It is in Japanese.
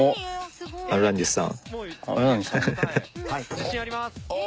自信あります！